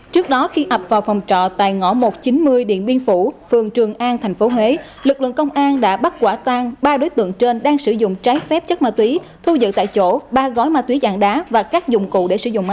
trước đó khi ập vào phòng trọ tại ngõ một trăm chín mươi điện biên phủ phường trường an tp huế lực lượng công an đã bắt quả tang ba đối tượng trên đang sử dụng trái phép chất ma túy thu giữ tại chỗ ba gói ma túy dạng đá và các dụng cụ để sử dụng